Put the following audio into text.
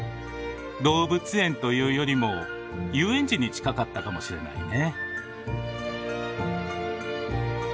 動物園というよりも遊園地に近かったかもしれないね。